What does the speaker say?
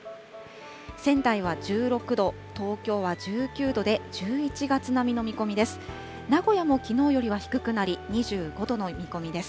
仙台は１６度、東京は１９度で、１１月並みの見込みです。